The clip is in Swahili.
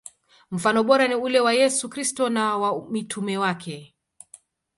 Mfano bora ni ule wa Yesu Kristo na wa mitume wake.